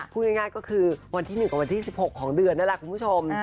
พูดง่ายก็คือวันที่๑กับวันที่๑๖ของเดือนนั่นแหละคุณผู้ชม